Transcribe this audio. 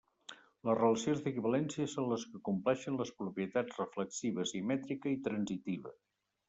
Les relacions d'equivalència són les que compleixen les propietats reflexiva, simètrica i transitiva.